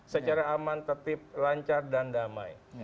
secara aman tertib lancar dan damai